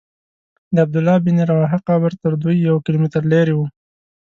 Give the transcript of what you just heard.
د عبدالله بن رواحه قبر تر دوی یو کیلومتر لرې و.